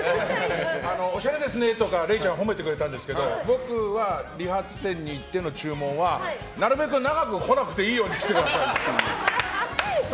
おしゃれですね、とかれいちゃんは褒めてくれたんですけど僕は理髪店に行っての注文はなるべく長く来なくてもいいように切ってくださいと。